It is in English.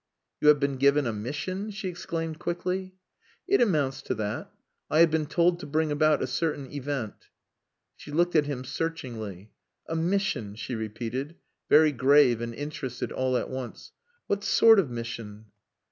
"You have been given a mission!" she exclaimed quickly. "It amounts to that. I have been told to bring about a certain event." She looked at him searchingly. "A mission," she repeated, very grave and interested all at once. "What sort of mission?"